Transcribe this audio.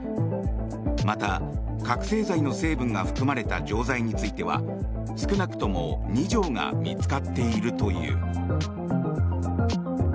また、覚醒剤の成分が含まれた錠剤については少なくとも２錠が見つかっているという。